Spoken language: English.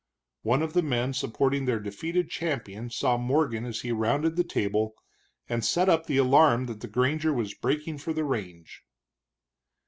One of the men supporting their defeated champion saw Morgan as he rounded the table, and set up the alarm that the granger was breaking for the range.